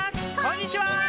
こんにちは！